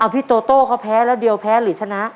พี่โตโต้เขาแพ้แล้วเดียวแพ้หรือชนะ